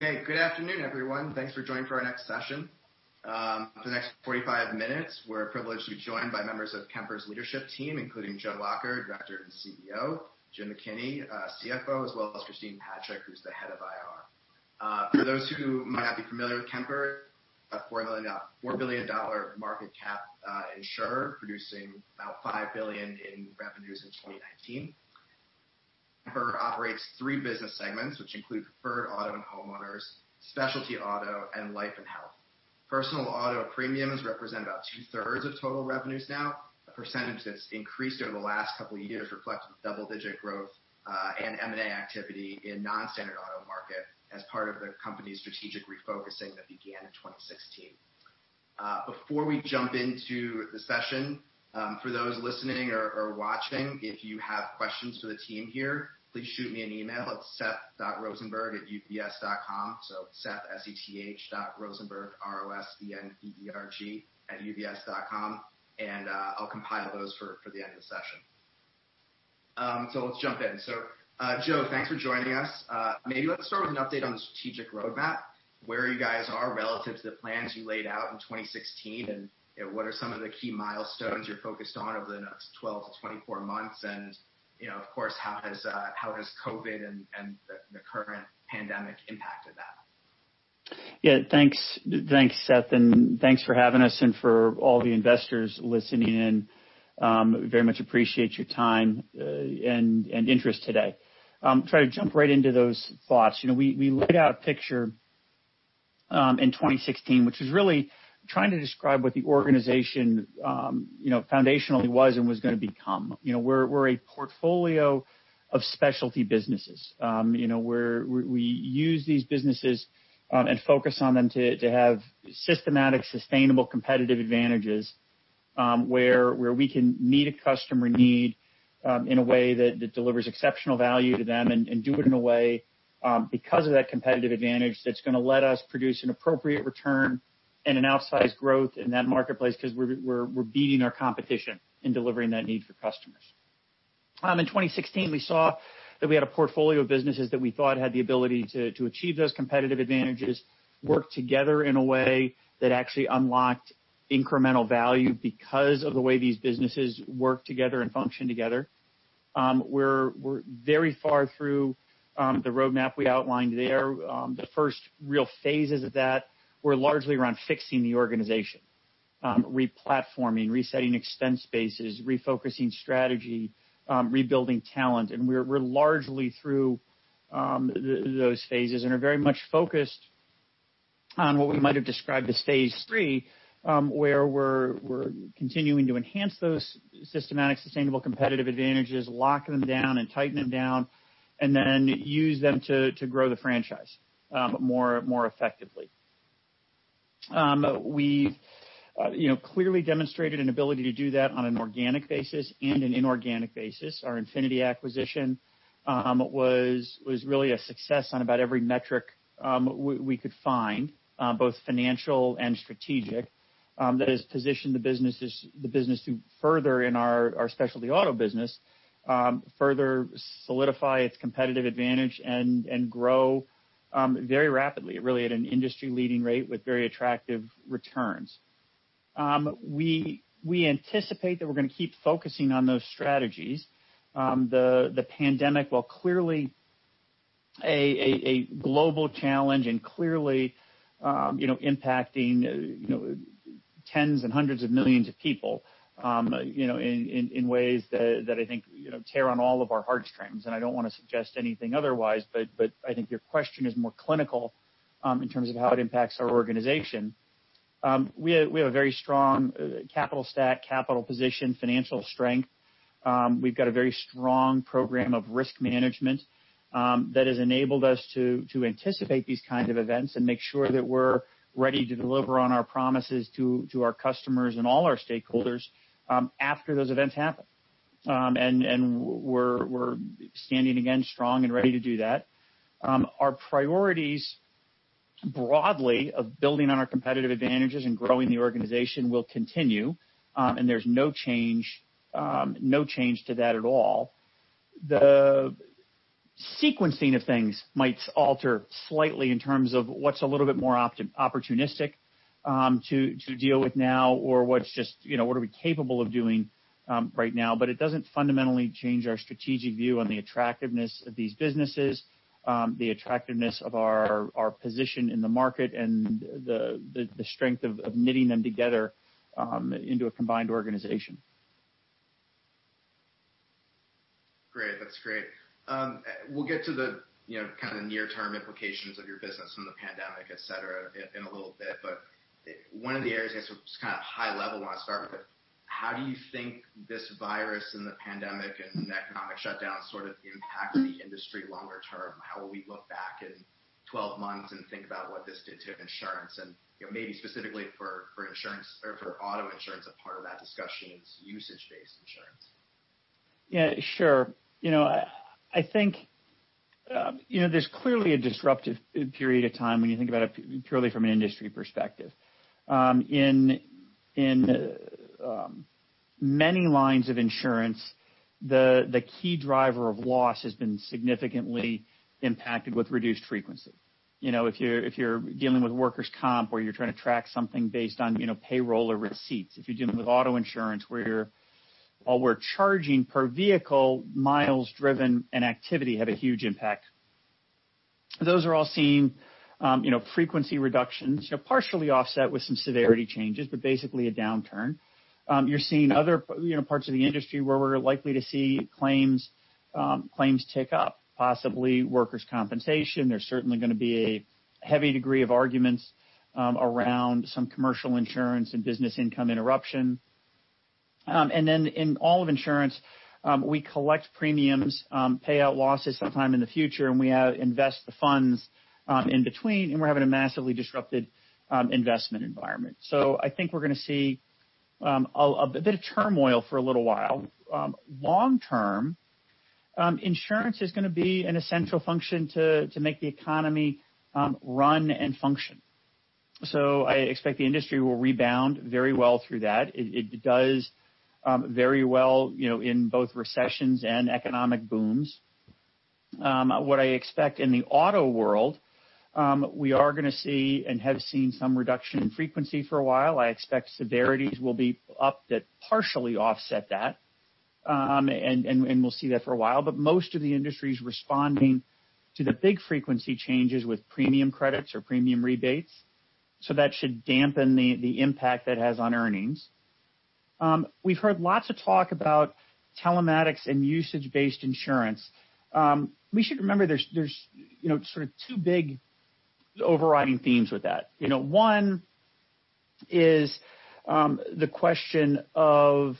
Good afternoon, everyone. Thanks for joining for our next session. For the next 45 minutes, we're privileged to be joined by members of Kemper's leadership team, including Joe Lacher, President and Chief Executive Officer, Jim McKinney, Chief Financial Officer, as well as Christine Patrick, who's the Head of IR. For those who might not be familiar with Kemper, a $4 billion market cap insurer producing about $5 billion in revenues in 2019. Kemper operates three business segments, which include Preferred Property & Casualty Insurance, Specialty Property & Casualty Insurance, and Life & Health Insurance. Personal auto premiums represent about two-thirds of total revenues now, a percentage that's increased over the last couple of years, reflecting double-digit growth, and M&A activity in non-standard auto market as part of the company's strategic refocusing that began in 2016. Before we jump into the session, for those listening or watching, if you have questions for the team here, please shoot me an email at seth.rosenberg@ubs.com. Seth, S-E-T-H, dot Rosenberg, R-O-S-E-N-B-E-R-G, @ubs.com, and I'll compile those for the end of the session. Let's jump in. Joe, thanks for joining us. Maybe let's start with an update on the strategic roadmap, where you guys are relative to the plans you laid out in 2016, and what are some of the key milestones you're focused on over the next 12 to 24 months. And of course, how has COVID and the current pandemic impacted that? Thanks, Seth, and thanks for having us and for all the investors listening in. We very much appreciate your time and interest today. Try to jump right into those thoughts. We laid out a picture in 2016, which was really trying to describe what the organization foundationally was and was going to become. We're a portfolio of specialty businesses. We use these businesses and focus on them to have systematic, sustainable competitive advantages, where we can meet a customer need in a way that delivers exceptional value to them and do it in a way because of that competitive advantage that's going to let us produce an appropriate return and an outsized growth in that marketplace because we're beating our competition in delivering that need for customers. In 2016, we saw that we had a portfolio of businesses that we thought had the ability to achieve those competitive advantages, work together in a way that actually unlocked incremental value because of the way these businesses work together and function together. We're very far through the roadmap we outlined there. The first real phases of that were largely around fixing the organization, replatforming, resetting expense bases, refocusing strategy, rebuilding talent. We're largely through those phases and are very much focused on what we might've described as phase 3, where we're continuing to enhance those systematic, sustainable competitive advantages, lock them down and tighten them down, and then use them to grow the franchise more effectively. We've clearly demonstrated an ability to do that on an organic basis and an inorganic basis. Our Infinity acquisition was really a success on about every metric we could find, both financial and strategic, that has positioned the business to further in our specialty auto business, further solidify its competitive advantage and grow very rapidly, really at an industry-leading rate with very attractive returns. We anticipate that we're going to keep focusing on those strategies. The pandemic, while clearly a global challenge and clearly impacting tens and hundreds of millions of people in ways that I think tear on all of our heartstrings, and I don't want to suggest anything otherwise, but I think your question is more clinical in terms of how it impacts our organization. We have a very strong capital stack, capital position, financial strength. We've got a very strong program of risk management that has enabled us to anticipate these kinds of events and make sure that we're ready to deliver on our promises to our customers and all our stakeholders after those events happen. We're standing again strong and ready to do that. Our priorities broadly of building on our competitive advantages and growing the organization will continue, and there's no change to that at all. The sequencing of things might alter slightly in terms of what's a little bit more opportunistic to deal with now or what are we capable of doing right now. It doesn't fundamentally change our strategic view on the attractiveness of these businesses, the attractiveness of our position in the market and the strength of knitting them together into a combined organization. Great. That's great. We'll get to the kind of near-term implications of your business from the pandemic, et cetera, in a little bit, but one of the areas, I guess, kind of high level I want to start with, how do you think this virus and the pandemic and the economic shutdown sort of impact the industry longer term? How will we look back in 12 months and think about what this did to insurance and maybe specifically for insurance or for auto insurance as a part of that discussion is usage-based insurance? Yeah, sure. I think there's clearly a disruptive period of time when you think about it purely from an industry perspective. Many lines of insurance, the key driver of loss has been significantly impacted with reduced frequency. If you're dealing with workers' comp or you're trying to track something based on payroll or receipts, if you're dealing with auto insurance where you're charging per vehicle, miles driven and activity have a huge impact. Those are all seeing frequency reductions, partially offset with some severity changes, but basically a downturn. You're seeing other parts of the industry where we're likely to see claims tick up, possibly workers' compensation. There's certainly going to be a heavy degree of arguments around some commercial insurance and business income interruption. In all of insurance, we collect premiums, pay out losses sometime in the future, we invest the funds in between, we're having a massively disrupted investment environment. I think we're going to see a bit of turmoil for a little while. Long-term, insurance is going to be an essential function to make the economy run and function. I expect the industry will rebound very well through that. It does very well in both recessions and economic booms. I expect in the auto world, we are going to see and have seen some reduction in frequency for a while. I expect severities will be up that partially offset that, and we'll see that for a while. Most of the industry is responding to the big frequency changes with premium credits or premium rebates, so that should dampen the impact that has on earnings. We've heard lots of talk about telematics and usage-based insurance. We should remember there's two big overriding themes with that. One is the question of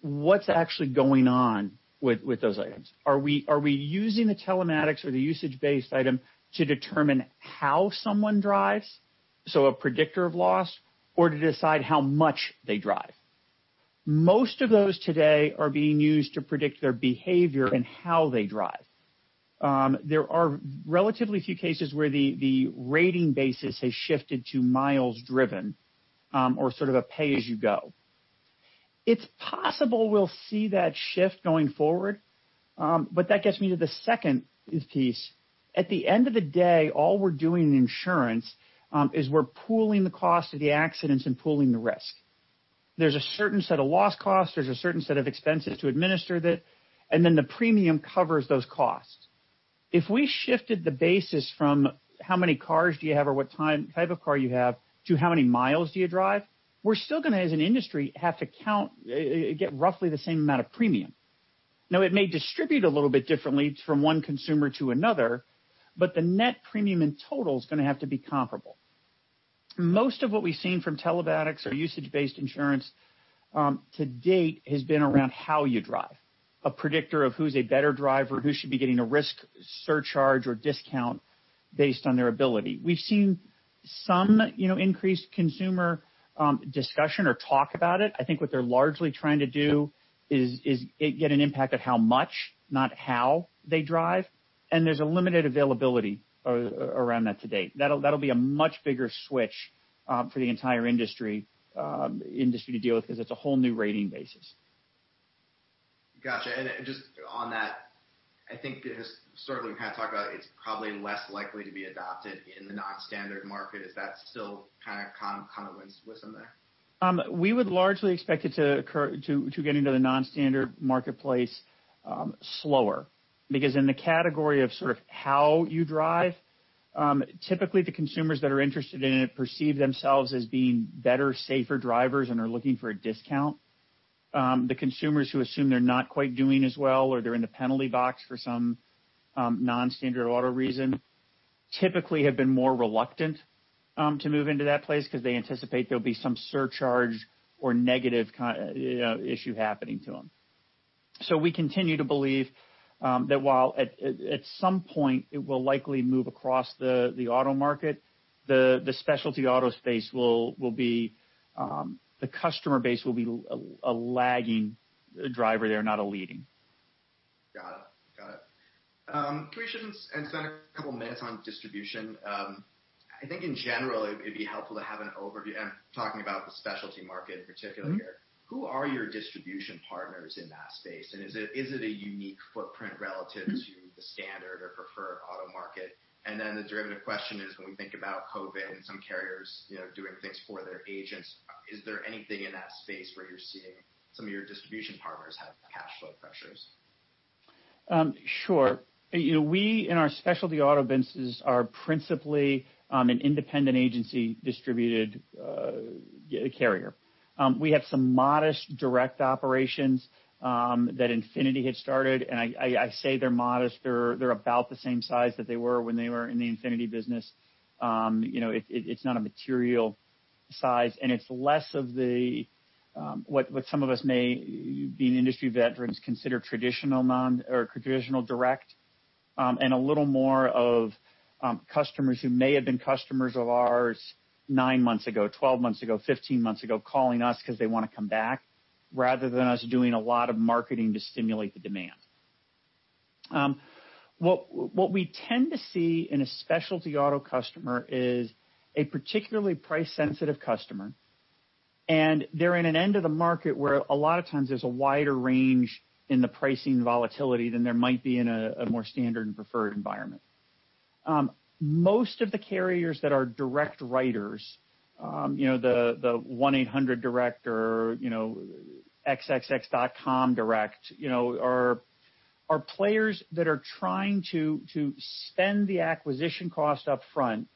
what's actually going on with those items. Are we using the telematics or the usage-based item to determine how someone drives, so a predictor of loss, or to decide how much they drive? Most of those today are being used to predict their behavior and how they drive. There are relatively few cases where the rating basis has shifted to miles driven or a pay-as-you-go. It's possible we'll see that shift going forward. That gets me to the second piece. At the end of the day, all we're doing in insurance is we're pooling the cost of the accidents and pooling the risk. There's a certain set of loss costs, there's a certain set of expenses to administer that, the premium covers those costs. If we shifted the basis from how many cars do you have or what type of car you have to how many miles do you drive, we're still going to, as an industry, have to get roughly the same amount of premium. It may distribute a little bit differently from one consumer to another, but the net premium in total is going to have to be comparable. Most of what we've seen from telematics or usage-based insurance to date has been around how you drive. A predictor of who's a better driver, who should be getting a risk surcharge or discount based on their ability. We've seen some increased consumer discussion or talk about it. I think what they're largely trying to do is get an impact on how much, not how they drive, there's a limited availability around that to date. That'll be a much bigger switch for the entire industry to deal with because it's a whole new rating basis. Got you. Just on that, I think historically we've kind of talked about it's probably less likely to be adopted in the non-standard market. Is that still kind of wisdom there? We would largely expect it to get into the non-standard marketplace slower, because in the category of how you drive, typically the consumers that are interested in it perceive themselves as being better, safer drivers and are looking for a discount. The consumers who assume they're not quite doing as well or they're in the penalty box for some non-standard auto reason, typically have been more reluctant to move into that place because they anticipate there'll be some surcharge or negative issue happening to them. We continue to believe that while at some point it will likely move across the auto market, the customer base will be a lagging driver there, not a leading. Got it. Can we just spend a couple of minutes on distribution? I think in general it'd be helpful to have an overview. I'm talking about the specialty market in particular here. Who are your distribution partners in that space? Is it a unique footprint relative to the standard or preferred auto market? The derivative question is, when we think about COVID and some carriers doing things for their agents, is there anything in that space where you're seeing some of your distribution partners have cash flow pressures? Sure. We, in our specialty auto business, are principally an independent agency distributed carrier. We have some modest direct operations that Infinity had started, I say they're modest. They're about the same size that they were when they were in the Infinity business. It's not a material size, it's less of what some of us may, being industry veterans, consider traditional direct, and a little more of customers who may have been customers of ours nine months ago, 12 months ago, 15 months ago, calling us because they want to come back, rather than us doing a lot of marketing to stimulate the demand. What we tend to see in a Specialty auto customer is a particularly price-sensitive customer, and they're in an end of the market where a lot of times there's a wider range in the pricing volatility than there might be in a more standard and preferred environment. Most of the carriers that are direct writers, the 1-800 direct or xxx.com direct, are players that are trying to spend the acquisition cost upfront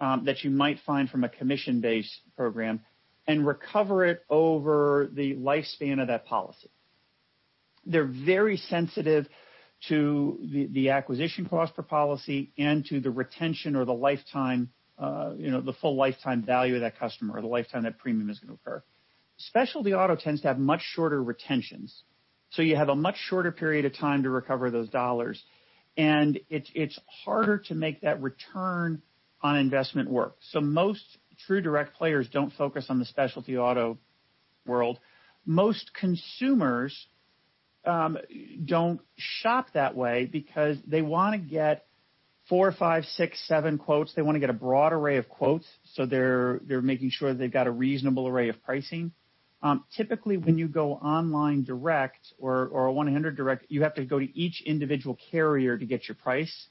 that you might find from a commission-based program and recover it over the lifespan of that policy. They're very sensitive to the acquisition cost per policy and to the retention or the full lifetime value of that customer, or the lifetime that premium is going to occur. Specialty auto tends to have much shorter retentions. You have a much shorter period of time to recover those dollars, and it's harder to make that return on investment work. Most true direct players don't focus on the Specialty auto world. Most consumers don't shop that way because they want to get four, five, six, seven quotes. They want to get a broad array of quotes, so they're making sure they've got a reasonable array of pricing. Typically, when you go online direct or a 1-800 direct, you have to go to each individual carrier to get your price.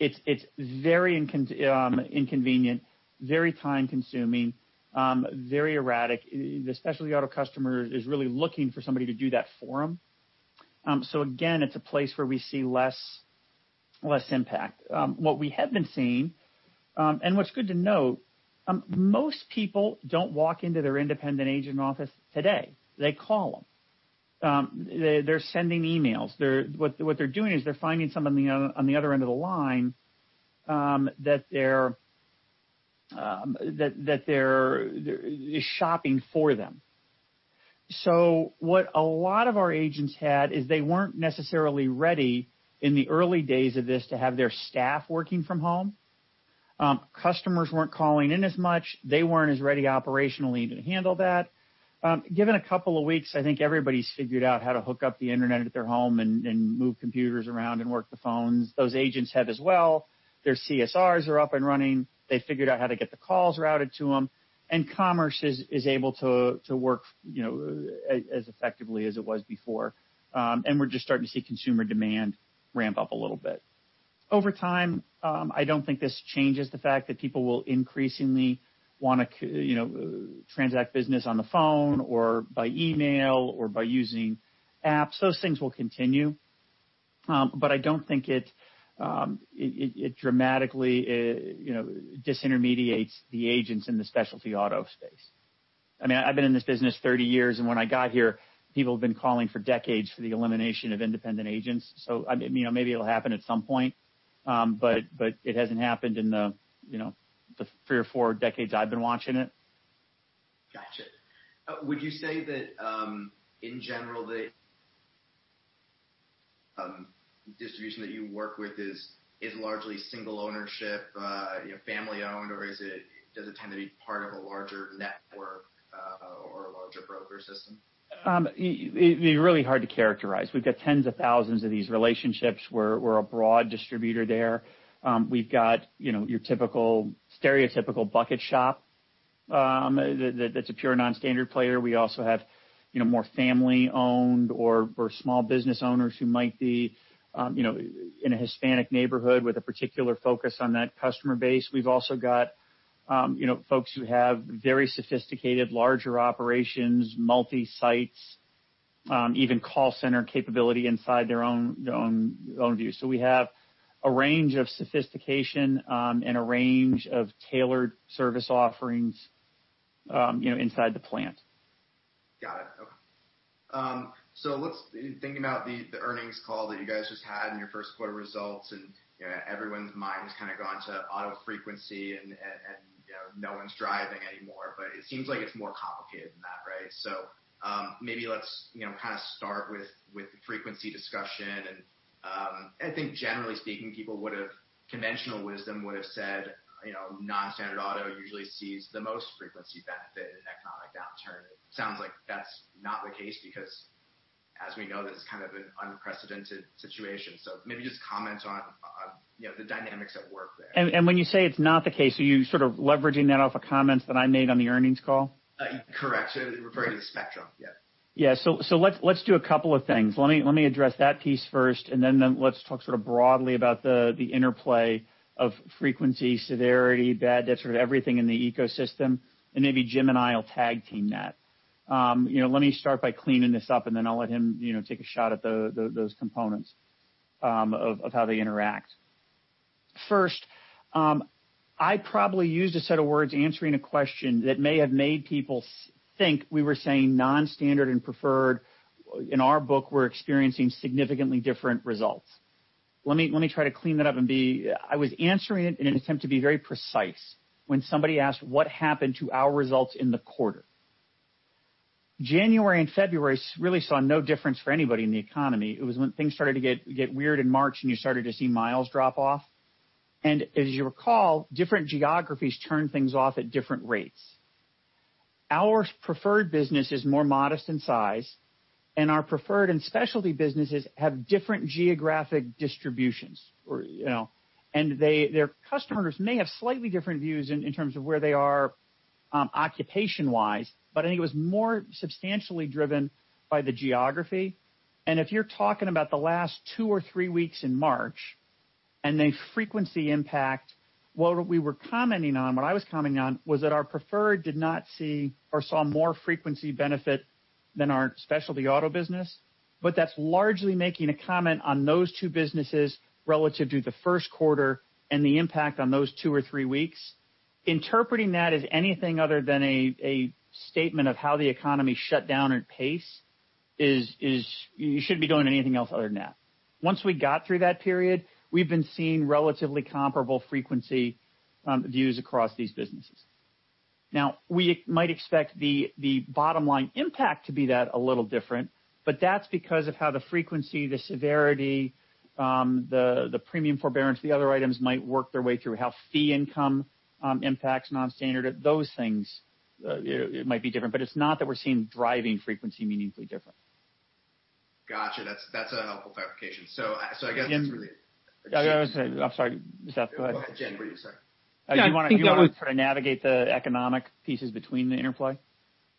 It's very inconvenient, very time-consuming, very erratic. The Specialty auto customer is really looking for somebody to do that for them. Again, it's a place where we see less impact. What we have been seeing, and what's good to note, most people don't walk into their independent agent office today. They call them. They're sending emails. What they're doing is they're finding someone on the other end of the line that they're shopping for them. What a lot of our agents had is they weren't necessarily ready in the early days of this to have their staff working from home. Customers weren't calling in as much. They weren't as ready operationally to handle that. Given a couple of weeks, I think everybody's figured out how to hook up the internet at their home and move computers around and work the phones. Those agents have as well. Their CSRs are up and running. They figured out how to get the calls routed to them. Commerce is able to work as effectively as it was before. We're just starting to see consumer demand ramp up a little bit. Over time, I don't think this changes the fact that people will increasingly want to transact business on the phone or by email or by using apps. Those things will continue. I don't think it dramatically disintermediates the agents in the Specialty auto space. I've been in this business 30 years, and when I got here, people have been calling for decades for the elimination of independent agents. Maybe it'll happen at some point, but it hasn't happened in the three or four decades I've been watching it. Got you. Would you say that, in general, the distribution that you work with is largely single ownership, family-owned, or does it tend to be part of a larger network or a larger broker system? It'd be really hard to characterize. We've got tens of thousands of these relationships. We're a broad distributor there. We've got your typical stereotypical bucket shop that's a pure non-standard player. We also have more family-owned or small business owners who might be in a Hispanic neighborhood with a particular focus on that customer base. We've also got folks who have very sophisticated, larger operations, multi-sites, even call center capability inside their own view. We have a range of sophistication and a range of tailored service offerings inside the plant. Got it. Okay. Thinking about the earnings call that you guys just had and your first quarter results, and everyone's mind has kind of gone to auto frequency, and no one's driving anymore, but it seems like it's more complicated than that, right? Maybe let's start with the frequency discussion. I think generally speaking, conventional wisdom would've said non-standard auto usually sees the most frequency benefit in an economic downturn. It sounds like that's not the case because, as we know, this is kind of an unprecedented situation. Maybe just comment on the dynamics at work there. When you say it's not the case, are you sort of leveraging that off of comments that I made on the earnings call? Correct. Referring to the spectrum, yes. Yes. Let's do a couple of things. Let me address that piece first, and then let's talk sort of broadly about the interplay of frequency, severity, bad debt, sort of everything in the ecosystem, and maybe Jim and I will tag-team that. Let me start by cleaning this up, and then I'll let him take a shot at those components of how they interact. First, I probably used a set of words answering a question that may have made people think we were saying non-standard and Preferred, in our book, we're experiencing significantly different results. Let me try to clean that up and I was answering it in an attempt to be very precise when somebody asked what happened to our results in the quarter. January and February really saw no difference for anybody in the economy. It was when things started to get weird in March, and you started to see miles drop-off. As you recall, different geographies turn things off at different rates. Our Preferred business is more modest in size, and our Preferred and Specialty businesses have different geographic distributions. Their customers may have slightly different views in terms of where they are occupation-wise, but I think it was more substantially driven by the geography. If you're talking about the last two or three weeks in March and the frequency impact, what we were commenting on, what I was commenting on, was that our Preferred did not see or saw more frequency benefit than our specialty auto business. That's largely making a comment on those two businesses relative to the first quarter and the impact on those two or three weeks. Interpreting that as anything other than a statement of how the economy shut down at pace is you shouldn't be doing anything else other than that. Once we got through that period, we've been seeing relatively comparable frequency views across these businesses. We might expect the bottom line impact to be that a little different, but that's because of how the frequency, the severity, the premium forbearance, the other items might work their way through how fee income impacts non-standard. Those things might be different, but it's not that we're seeing driving frequency meaningfully different. Got you. That's a helpful clarification. I guess that's really. Again. I'm sorry, Seth, go ahead. Go ahead, Jim, please. Sorry. Do you want to? No, I think that was. Try to navigate the economic pieces between the interplay?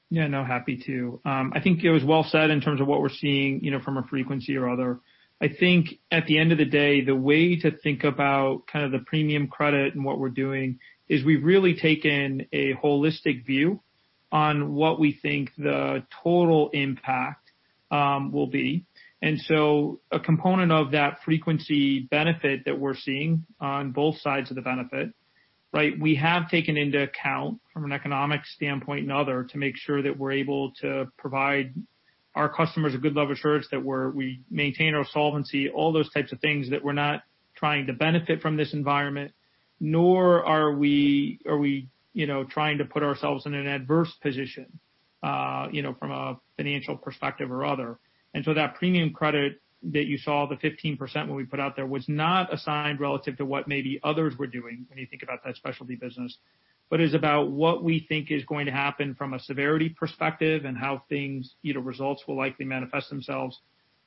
Yeah, no, happy to. I think it was well said in terms of what we're seeing from a frequency or other. I think at the end of the day, the way to think about the premium credit and what we're doing is we've really taken a holistic view on what we think the total impact will be. A component of that frequency benefit that we're seeing on both sides of the benefit, we have taken into account from an economic standpoint and other, to make sure that we're able to provide our customers a good level of assurance that we maintain our solvency, all those types of things that we're not trying to benefit from this environment, nor are we trying to put ourselves in an adverse position from a financial perspective or other. That premium credit that you saw, the 15% when we put out there, was not assigned relative to what maybe others were doing when you think about that Specialty business, but is about what we think is going to happen from a severity perspective and how results will likely manifest themselves.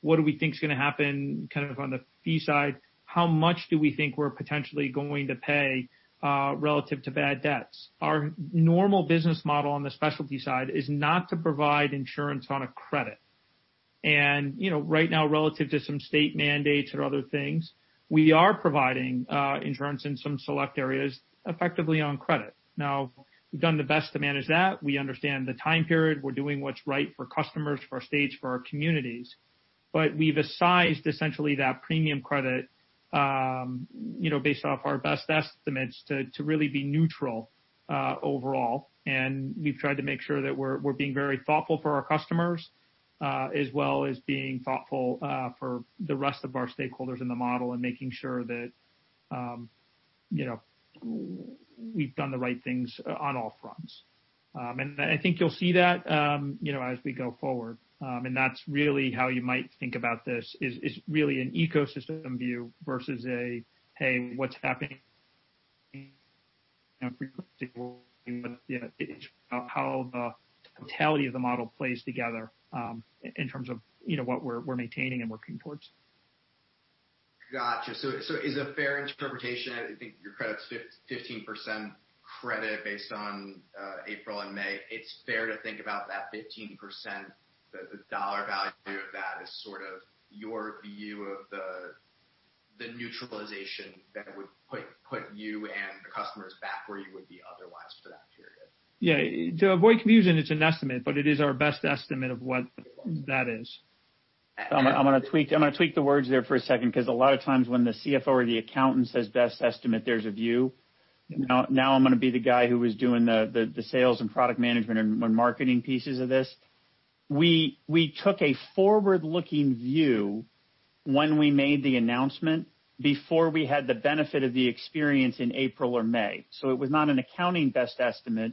What do we think is going to happen on the fee side? How much do we think we're potentially going to pay relative to bad debts? Our normal business model on the Specialty side is not to provide insurance on a credit. Right now, relative to some state mandates or other things, we are providing insurance in some select areas, effectively on credit. Now, we've done the best to manage that. We understand the time period. We're doing what's right for customers, for our states, for our communities. We've sized essentially that premium credit based off our best estimates to really be neutral overall, we've tried to make sure that we're being very thoughtful for our customers, as well as being thoughtful for the rest of our stakeholders in the model and making sure that we've done the right things on all fronts. I think you'll see that as we go forward. That's really how you might think about this is really an ecosystem view versus a, hey, what's happening, frequency, how the totality of the model plays together in terms of what we're maintaining and working towards. Got you. Is it a fair interpretation, I think your credit's 15% credit based on April and May, it's fair to think about that 15%, the dollar value of that is sort of your view of the neutralization that would put you and the customers back where you would be otherwise for that period? Yeah. To avoid confusion, it's an estimate, but it is our best estimate of what that is. I'm going to tweak the words there for a second because a lot of times when the CFO or the accountant says, "Best estimate," there's a view. I'm going to be the guy who was doing the sales and product management and marketing pieces of this. We took a forward-looking view when we made the announcement before we had the benefit of the experience in April or May. It was not an accounting best estimate.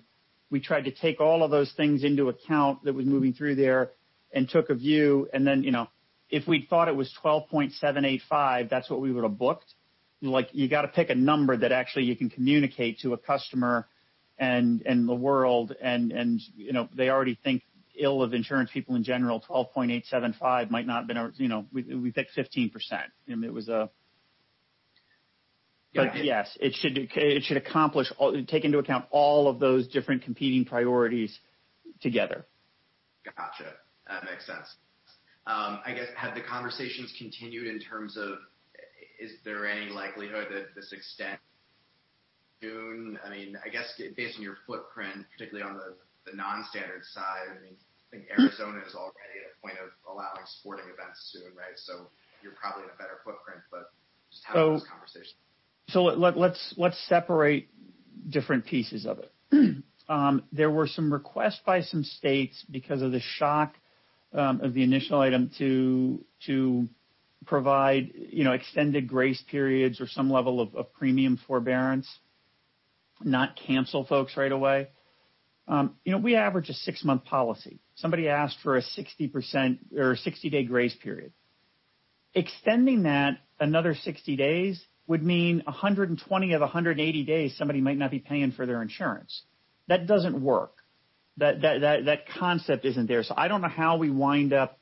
We tried to take all of those things into account that was moving through there and took a view, then if we'd thought it was 12.785, that's what we would've booked. You got to pick a number that actually you can communicate to a customer and the world, they already think ill of insurance people in general. 12.875 might not have been our-- We picked 15%. Yes, it should take into account all of those different competing priorities together. Got you. That makes sense. Have the conversations continued in terms of, is there any likelihood that this extends soon? I guess based on your footprint, particularly on the non-standard side, I think Arizona is already at a point of allowing sporting events soon, so you're probably in a better footprint, but just having this conversation. Let's separate different pieces of it. There were some requests by some states because of the shock of the initial item to provide extended grace periods or some level of premium forbearance, not cancel folks right away. We average a six-month policy. Somebody asked for a 60-day grace period. Extending that another 60 days would mean 120 of 180 days, somebody might not be paying for their insurance. That doesn't work. That concept isn't there. I don't know how we wind up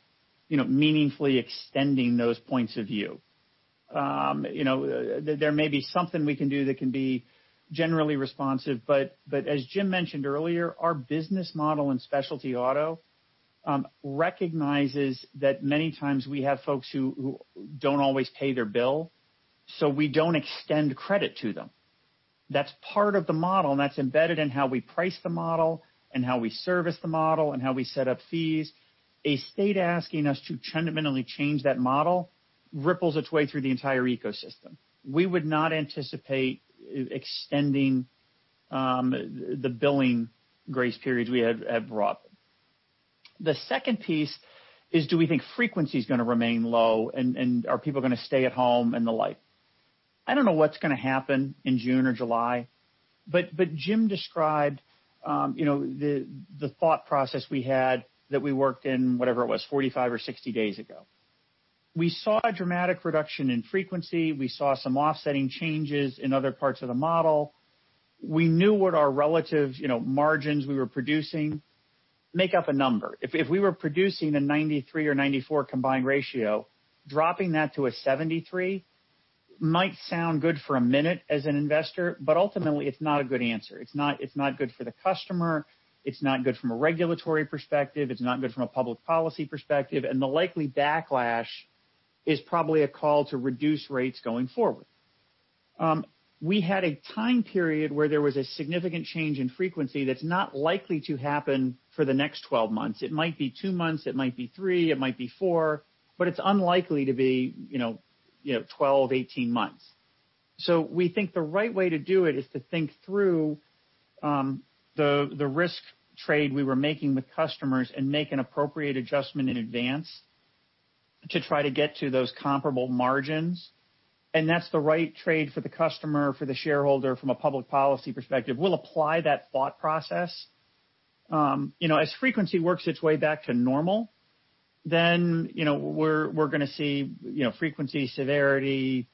meaningfully extending those points of view. There may be something we can do that can be generally responsive, but as Jim mentioned earlier, our business model in specialty auto recognizes that many times we have folks who don't always pay their bill, so we don't extend credit to them. That's part of the model, and that's embedded in how we price the model and how we service the model and how we set up fees. A state asking us to fundamentally change that model ripples its way through the entire ecosystem. We would not anticipate extending the billing grace periods we have brought. The second piece is do we think frequency is going to remain low and are people going to stay at home and the like? I don't know what's going to happen in June or July, but Jim described the thought process we had that we worked in, whatever it was, 45 or 60 days ago. We saw a dramatic reduction in frequency. We saw some offsetting changes in other parts of the model. We knew what our relative margins we were producing. Make up a number. If we were producing a 93 or 94 combined ratio, dropping that to a 73 might sound good for a minute as an investor, but ultimately, it's not a good answer. It's not good for the customer, it's not good from a regulatory perspective, it's not good from a public policy perspective, and the likely backlash is probably a call to reduce rates going forward. We had a time period where there was a significant change in frequency that's not likely to happen for the next 12 months. It might be two months, it might be three, it might be four, but it's unlikely to be 12, 18 months. We think the right way to do it is to think through the risk trade we were making with customers and make an appropriate adjustment in advance to try to get to those comparable margins. That's the right trade for the customer, for the shareholder from a public policy perspective. We'll apply that thought process. As frequency works its way back to normal, we're going to see frequency, severity,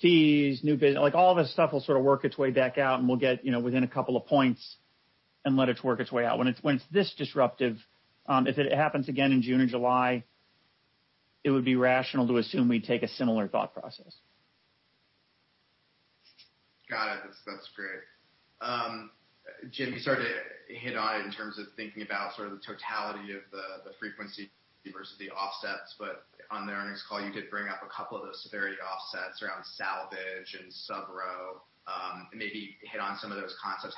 fees, new business. All this stuff will work its way back out, and we'll get within a couple of points and let it work its way out. When it's this disruptive, if it happens again in June or July, it would be rational to assume we'd take a similar thought process. Got it. That's great. Jim, you started to hit on it in terms of thinking about the totality of the frequency versus the offsets. On the earnings call, you did bring up a couple of those severity offsets around salvage and subrogation. Maybe hit on some of those concepts.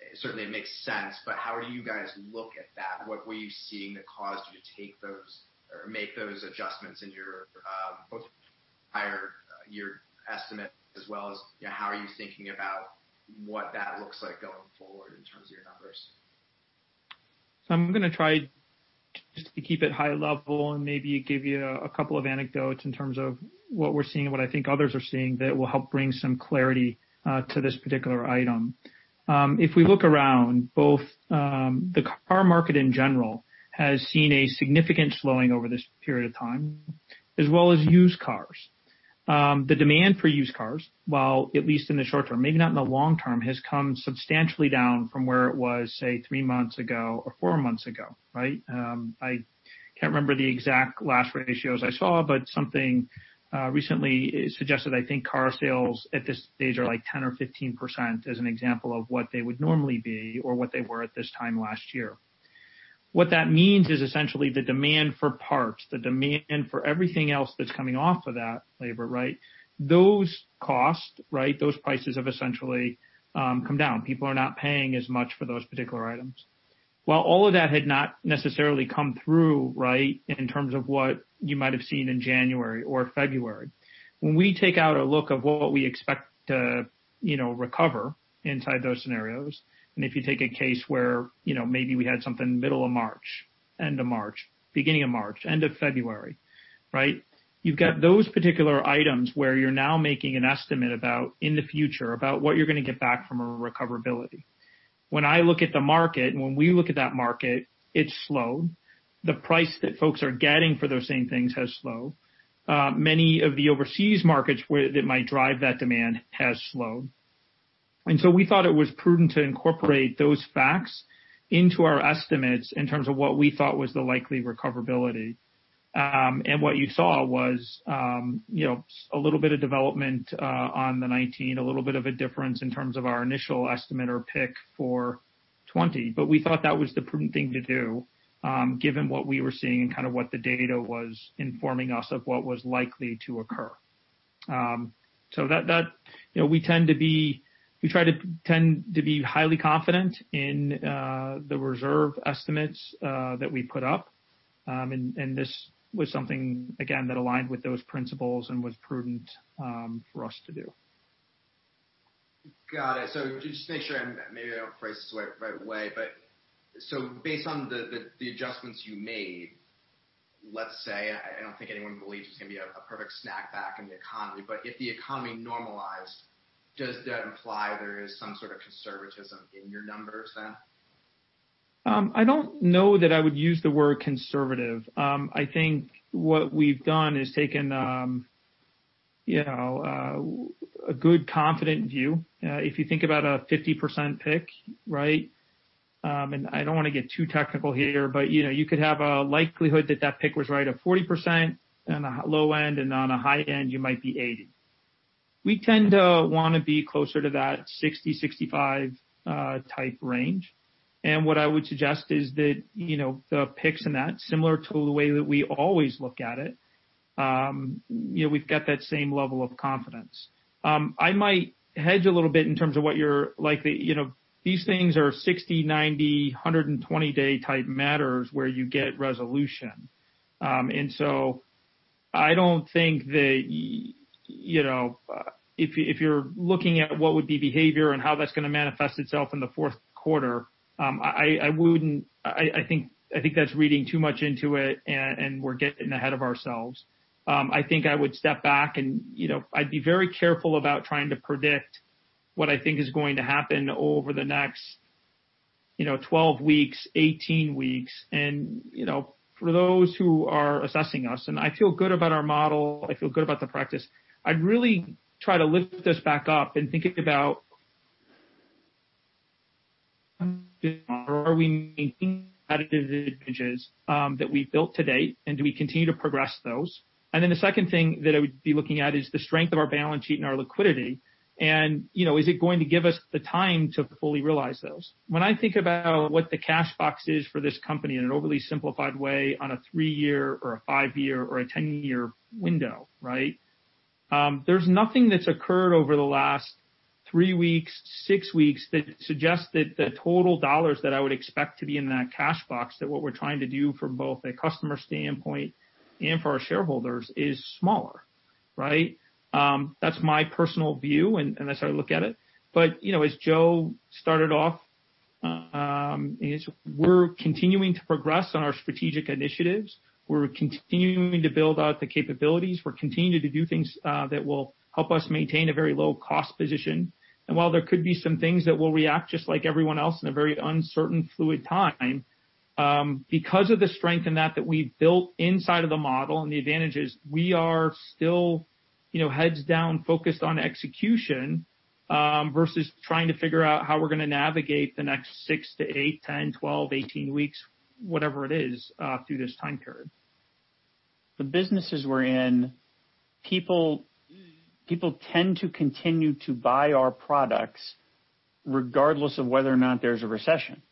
It certainly makes sense, but how do you guys look at that? What were you seeing that caused you to take those or make those adjustments in both your estimate as well as how are you thinking about what that looks like going forward in terms of your numbers? I'm going to try just to keep it high level and maybe give you a couple of anecdotes in terms of what we're seeing and what I think others are seeing that will help bring some clarity to this particular item. If we look around, both the car market in general has seen a significant slowing over this period of time, as well as used cars. The demand for used cars, while at least in the short term, maybe not in the long term, has come substantially down from where it was, say, three months ago or four months ago. I can't remember the exact last ratios I saw, but something recently suggested, I think car sales at this stage are 10% or 15% as an example of what they would normally be or what they were at this time last year. What that means is essentially the demand for parts, the demand for everything else that's coming off of that labor, those costs, those prices have essentially come down. People are not paying as much for those particular items. While all of that had not necessarily come through in terms of what you might have seen in January or February, when we take out a look of what we expect to recover inside those scenarios, and if you take a case where maybe we had something middle of March, end of March, beginning of March, end of February. You've got those particular items where you're now making an estimate about in the future, about what you're going to get back from a recoverability. When I look at the market, when we look at that market, it's slowed. The price that folks are getting for those same things has slowed. Many of the overseas markets that might drive that demand has slowed. We thought it was prudent to incorporate those facts into our estimates in terms of what we thought was the likely recoverability. What you saw was a little bit of development on the 2019, a little bit of a difference in terms of our initial estimate or pick for 2020. We thought that was the prudent thing to do given what we were seeing and what the data was informing us of what was likely to occur. We try to tend to be highly confident in the reserve estimates that we put up, and this was something, again, that aligned with those principles and was prudent for us to do. Got it. Just to make sure, maybe I don't phrase this the right way. Based on the adjustments you made, let's say, I don't think anyone believes it's going to be a perfect snapback in the economy, but if the economy normalized, does that imply there is some sort of conservatism in your numbers then? I don't know that I would use the word conservative. I think what we've done is taken a good, confident view. If you think about a 50% pick, right? I don't want to get too technical here, but you could have a likelihood that that pick was right at 40% on the low end, and on a high end, you might be 80%. We tend to want to be closer to that 60, 65 type range. What I would suggest is that the picks in that, similar to the way that we always look at it, we've got that same level of confidence. I might hedge a little bit in terms of what you're likely. These things are 60-day, 90-day, 120-day type matters where you get resolution. I don't think that if you're looking at what would be behavior and how that's going to manifest itself in the fourth quarter, I think that's reading too much into it and we're getting ahead of ourselves. I would step back and I'd be very careful about trying to predict what I think is going to happen over the next 12 weeks, 18 weeks. For those who are assessing us, and I feel good about our model, I feel good about the practice, I'd really try to lift this back up and thinking about are we meeting advantages that we've built to date, and do we continue to progress those? The second thing that I would be looking at is the strength of our balance sheet and our liquidity, and is it going to give us the time to fully realize those? When I think about what the cash box is for this company in an overly simplified way on a 3-year or a 5-year or a 10-year window, there's nothing that's occurred over the last 3 weeks, 6 weeks, that suggests that the total dollars that I would expect to be in that cash box, that what we're trying to do from both a customer standpoint and for our shareholders is smaller. That's my personal view and that's how I look at it. As Joe started off, we're continuing to progress on our strategic initiatives. We're continuing to build out the capabilities. We're continuing to do things that will help us maintain a very low cost position. While there could be some things that will react just like everyone else in a very uncertain fluid time because of the strength in that that we've built inside of the model and the advantages, we are still heads down focused on execution, versus trying to figure out how we're going to navigate the next 6 to 8, 10, 12, 18 weeks, whatever it is, through this time period. The businesses we're in, people tend to continue to buy our products regardless of whether or not there's a recession.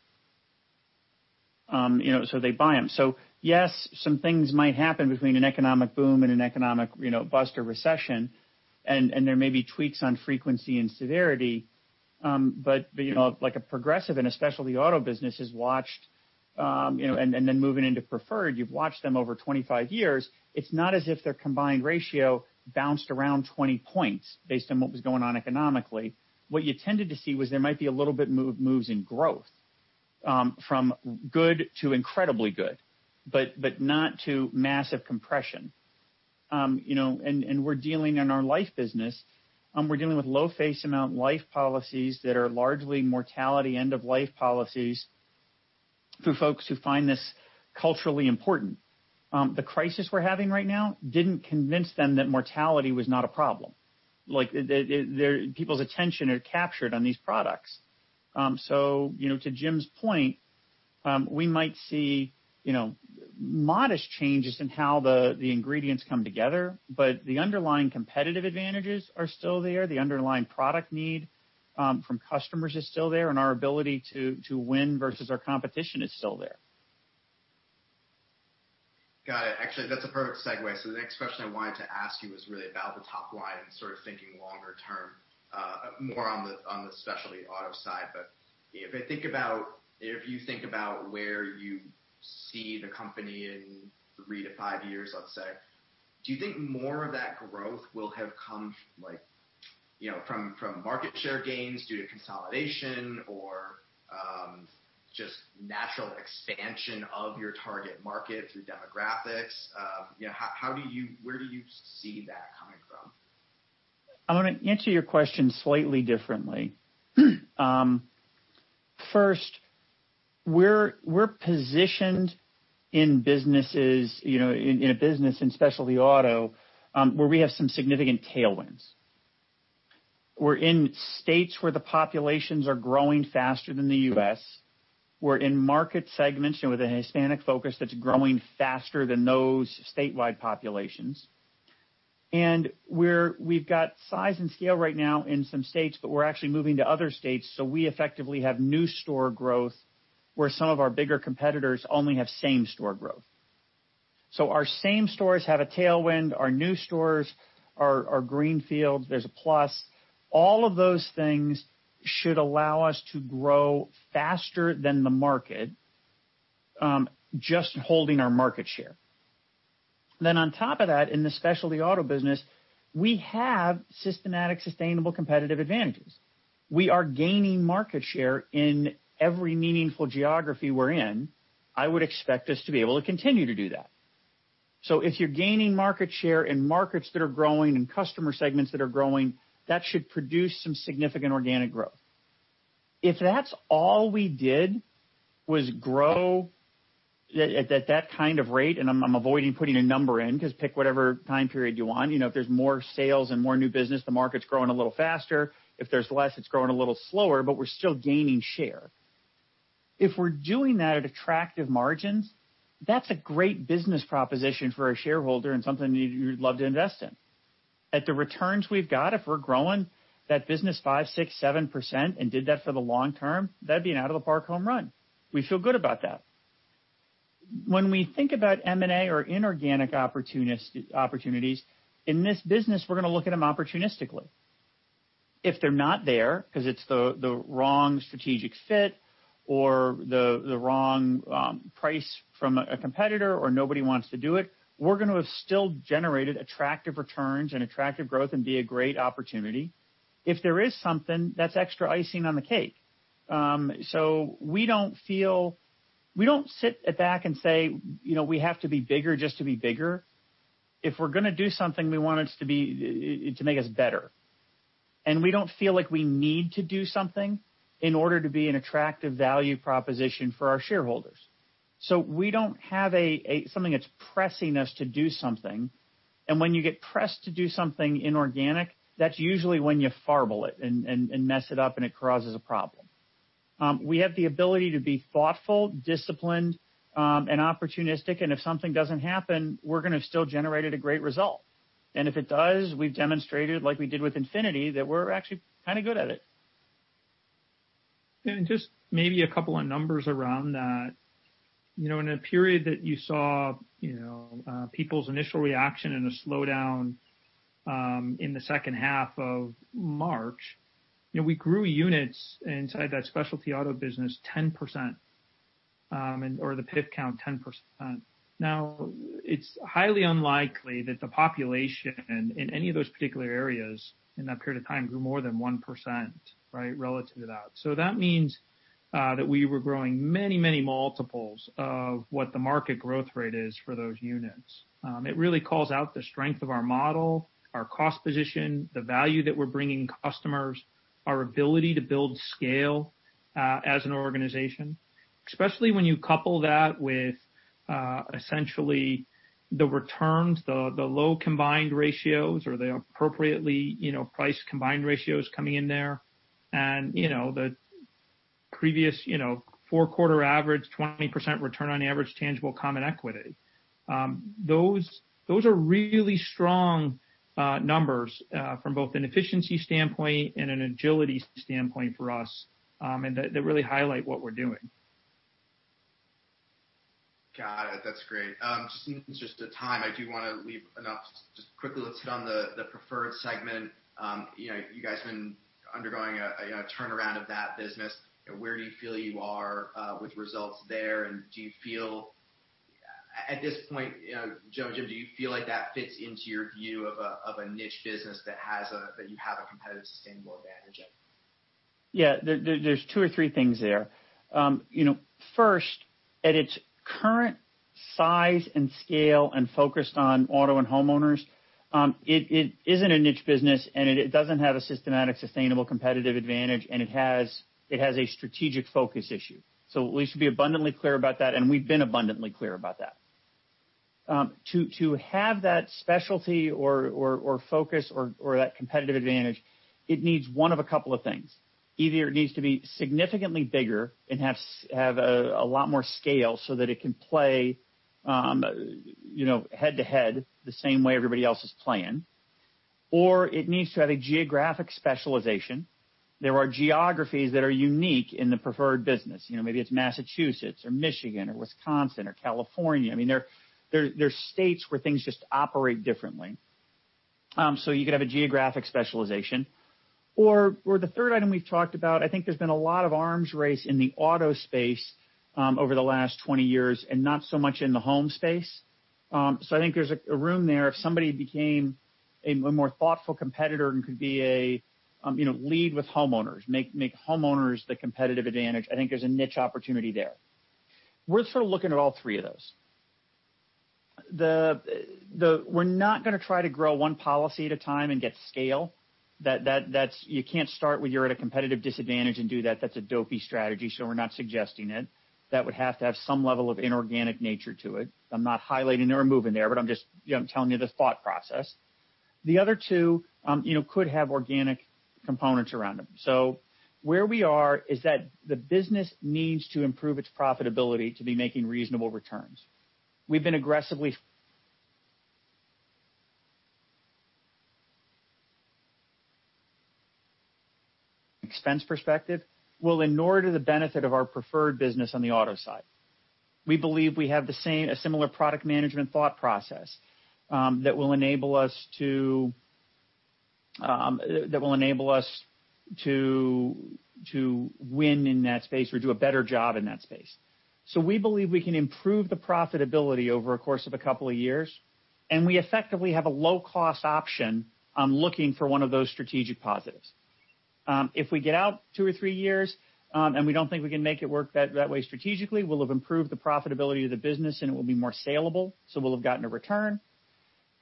They buy them. Yes, some things might happen between an economic boom and an economic bust or recession, and there may be tweaks on frequency and severity. Like a Progressive and specialty auto business has watched, and then moving into Preferred, you've watched them over 25 years. It's not as if their combined ratio bounced around 20 points based on what was going on economically. What you tended to see was there might be a little bit moves in growth from good to incredibly good, but not to massive compression. We're dealing in our life business, we're dealing with low face amount life policies that are largely mortality end-of-life policies for folks who find this culturally important. The crisis we're having right now didn't convince them that mortality was not a problem. People's attention are captured on these products. To Jim's point, we might see modest changes in how the ingredients come together, but the underlying competitive advantages are still there. The underlying product need from customers is still there, and our ability to win versus our competition is still there. Got it. Actually, that's a perfect segue. The next question I wanted to ask you was really about the top line and sort of thinking longer term, more on the specialty auto side. If you think about where you see the company in three to five years, let's say, do you think more of that growth will have come from market share gains due to consolidation or just natural expansion of your target market through demographics? Where do you see that coming from? I'm going to answer your question slightly differently. First, we're positioned in a business in specialty auto, where we have some significant tailwinds. We're in states where the populations are growing faster than the U.S. We're in market segments with a Hispanic focus that's growing faster than those statewide populations. We've got size and scale right now in some states, but we're actually moving to other states, so we effectively have new store growth where some of our bigger competitors only have same store growth. Our same stores have a tailwind. Our new stores are greenfields. There's a plus. All of those things should allow us to grow faster than the market, just holding our market share. On top of that, in the specialty auto business, we have systematic, sustainable competitive advantages. We are gaining market share in every meaningful geography we're in. I would expect us to be able to continue to do that. If you're gaining market share in markets that are growing and customer segments that are growing, that should produce some significant organic growth. If that's all we did was grow at that kind of rate, and I'm avoiding putting a number in because pick whatever time period you want. If there's more sales and more new business, the market's growing a little faster. If there's less, it's growing a little slower, but we're still gaining share. If we're doing that at attractive margins, that's a great business proposition for a shareholder and something you'd love to invest in. At the returns we've got, if we're growing that business five%, six%, seven% and did that for the long term, that'd be an out of the park home run. We feel good about that. When we think about M&A or inorganic opportunities, in this business, we're going to look at them opportunistically. If they're not there because it's the wrong strategic fit or the wrong price from a competitor or nobody wants to do it, we're going to have still generated attractive returns and attractive growth and be a great opportunity. If there is something, that's extra icing on the cake. We don't sit back and say, we have to be bigger just to be bigger. If we're going to do something, we want it to make us better. We don't feel like we need to do something in order to be an attractive value proposition for our shareholders. We don't have something that's pressing us to do something, and when you get pressed to do something inorganic, that's usually when you fumble it and mess it up and it causes a problem. We have the ability to be thoughtful, disciplined, and opportunistic, and if something doesn't happen, we're going to have still generated a great result. If it does, we've demonstrated, like we did with Infinity, that we're actually kind of good at it. Just maybe a couple of numbers around that. In a period that you saw people's initial reaction and a slowdown in the second half of March, we grew units inside that specialty auto business 10%, or the Policies-in-Force count 10%. It's highly unlikely that the population in any of those particular areas in that period of time grew more than 1%, right, relative to that. That means that we were growing many multiples of what the market growth rate is for those units. It really calls out the strength of our model, our cost position, the value that we're bringing customers, our ability to build scale as an organization. Especially when you couple that with essentially the returns, the low combined ratios or the appropriately priced combined ratios coming in there, and the previous 4-quarter average, 20% return on average tangible common equity. Those are really strong numbers from both an efficiency standpoint and an agility standpoint for us, that really highlight what we're doing. Got it. That's great. Just in the interest of time, I do want to leave enough just quickly. Let's hit on the Preferred Segment. You guys have been undergoing a turnaround of that business. Where do you feel you are with results there, and do you feel at this point, Joe, Jim, do you feel like that fits into your view of a niche business that you have a competitive, sustainable advantage in? Yeah. There's two or three things there. First, at its current size and scale and focused on auto and homeowners, it isn't a niche business, and it doesn't have a systematic, sustainable competitive advantage, and it has a strategic focus issue. We should be abundantly clear about that, and we've been abundantly clear about that. To have that specialty or focus or that competitive advantage, it needs one of a couple of things. Either it needs to be significantly bigger and have a lot more scale so that it can play head to head the same way everybody else is playing, or it needs to have a geographic specialization. There are geographies that are unique in the Preferred Business. Maybe it's Massachusetts or Michigan or Wisconsin or California. There are states where things just operate differently. You could have a geographic specialization. The third item we've talked about, I think there's been a lot of arms race in the auto space over the last 20 years and not so much in the home space. I think there's room there if somebody became a more thoughtful competitor and could lead with homeowners, make homeowners the competitive advantage. I think there's a niche opportunity there. We're sort of looking at all three of those. We're not going to try to grow one policy at a time and get scale. You can't start when you're at a competitive disadvantage and do that. That's a dopey strategy, so we're not suggesting it. That would have to have some level of inorganic nature to it. I'm not highlighting it or moving there, but I'm just telling you the thought process. The other two could have organic components around them. Where we are is that the business needs to improve its profitability to be making reasonable returns. We've been aggressively. Expense perspective will in order the benefit of our Preferred Business on the auto side. We believe we have a similar product management thought process that will enable us to win in that space or do a better job in that space. We believe we can improve the profitability over a course of a couple of years, and we effectively have a low-cost option on looking for one of those strategic positives. If we get out two or three years and we don't think we can make it work that way strategically, we'll have improved the profitability of the business and it will be more saleable, so we'll have gotten a return.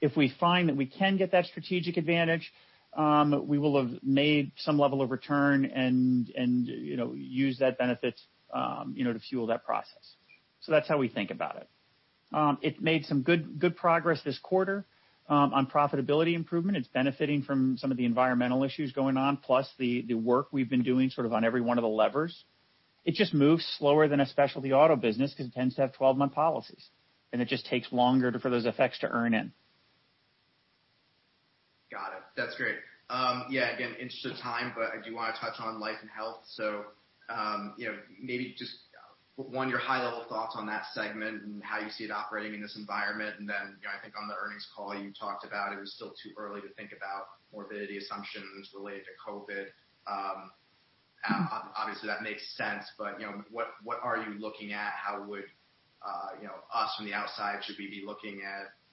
If we find that we can get that strategic advantage, we will have made some level of return and use that benefit to fuel that process. That's how we think about it. It made some good progress this quarter on profitability improvement. It's benefiting from some of the environmental issues going on, plus the work we've been doing on every one of the levers. It just moves slower than a specialty auto business because it tends to have 12-month policies, and it just takes longer for those effects to earn in. Got it. That's great. Again, interest of time, I do want to touch on Life and Health. Maybe just, one, your high-level thoughts on that segment and how you see it operating in this environment. I think on the earnings call you talked about it was still too early to think about morbidity assumptions related to COVID. Obviously, that makes sense. What are you looking at? How would us from the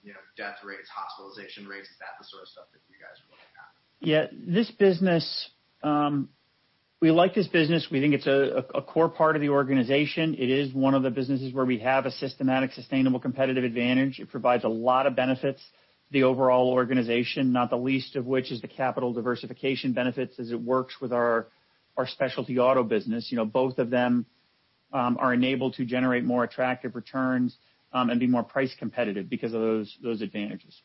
outside should we be looking at death rates, hospitalization rates? Is that the sort of stuff that you guys are looking at? We like this business. We think it's a core part of the organization. It is one of the businesses where we have a systematic, sustainable competitive advantage. It provides a lot of benefits to the overall organization, not the least of which is the capital diversification benefits as it works with our specialty auto business. Both of them are enabled to generate more attractive returns and be more price competitive because of those advantages.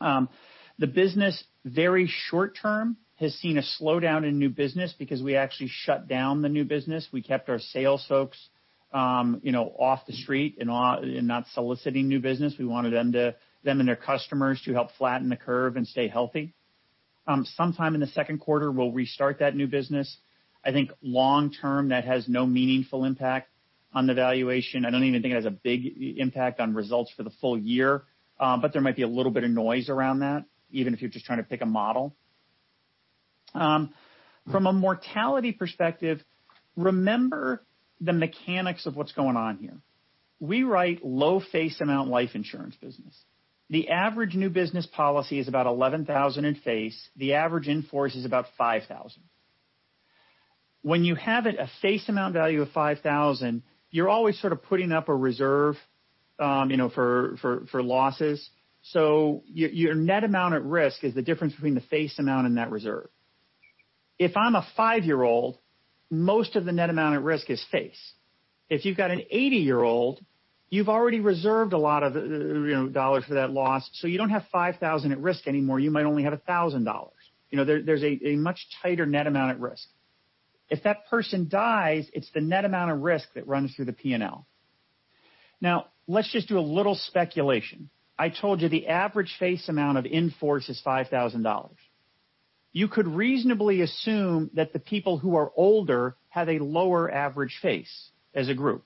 The business, very short term, has seen a slowdown in new business because we actually shut down the new business. We kept our sales folks off the street and not soliciting new business. We wanted them and their customers to help flatten the curve and stay healthy. Sometime in the second quarter, we'll restart that new business. I think long term, that has no meaningful impact on the valuation. I don't even think it has a big impact on results for the full year. There might be a little bit of noise around that, even if you're just trying to pick a model. From a mortality perspective, remember the mechanics of what's going on here. We write low face amount life insurance business. The average new business policy is about $11,000 in face. The average in-force is about $5,000. When you have a face amount value of $5,000, you're always putting up a reserve for losses. Your net amount at risk is the difference between the face amount and that reserve. If I'm a five-year-old, most of the net amount at risk is face. If you've got an 80-year-old, you've already reserved a lot of dollars for that loss. You don't have $5,000 at risk anymore. You might only have $1,000. There's a much tighter net amount at risk. If that person dies, it's the net amount at risk that runs through the P&L. Let's just do a little speculation. I told you the average face amount of in-force is $5,000. You could reasonably assume that the people who are older have a lower average face as a group.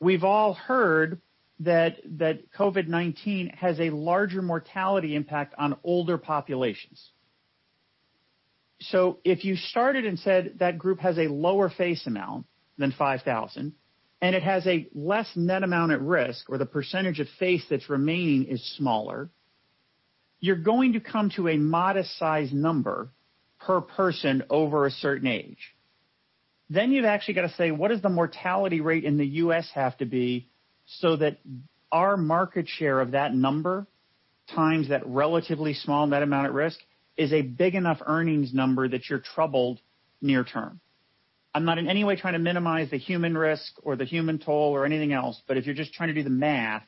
We've all heard that COVID-19 has a larger mortality impact on older populations. If you started and said that group has a lower face amount than $5,000 and it has a less net amount at risk or the percentage of face that's remaining is smaller, you're going to come to a modest size number per person over a certain age. You've actually got to say, what does the mortality rate in the U.S. have to be so that our market share of that number times that relatively small net amount at risk is a big enough earnings number that you're troubled near term. I'm not in any way trying to minimize the human risk or the human toll or anything else, if you're just trying to do the math,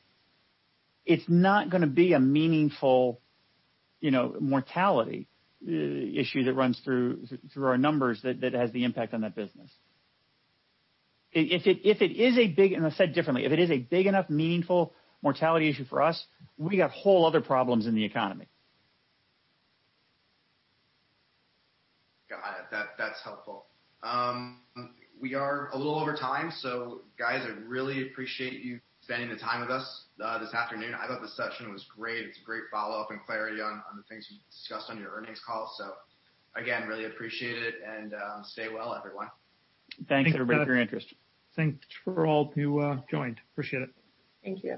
it's not going to be a meaningful mortality issue that runs through our numbers that has the impact on that business. Said differently, if it is a big enough meaningful mortality issue for us, we got whole other problems in the economy. Got it. That's helpful. We are a little over time. Guys, I really appreciate you spending the time with us this afternoon. I thought this session was great. It's a great follow-up and clarity on the things you discussed on your earnings call. Again, really appreciate it and stay well, everyone. Thanks, everybody, for your interest. Thanks for all who joined. Appreciate it. Thank you.